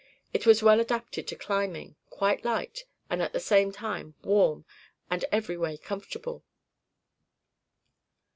It was well adapted to climbing quite light, and at the same time warm, and every way comfortable.